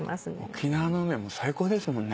沖縄の海は最高ですもんね。